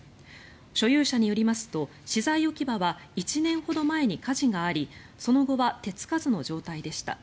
所有者によりますと資材置き場は１年ほど前に火事がありその後は手付かずの状態でした。